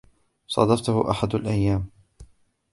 صادفته أحد الأيام.